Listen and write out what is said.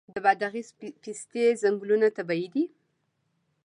د بادغیس پستې ځنګلونه طبیعي دي؟